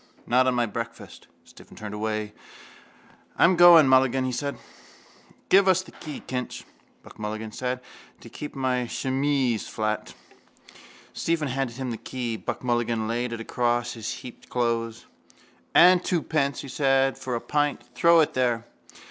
Not on my breakfast. Stephen turned away. —I'm going, Mulligan, he said. —Give us that key, Kinch, Buck Mulligan said, to keep my chemise flat. Stephen handed him the key. Buck Mulligan laid it across his heaped clothes. —And twopence, he said, for a pint. Throw it there.